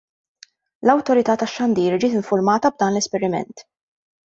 L-Awtorita' tax-Xandir ġiet infurmata b'dan l-esperiment.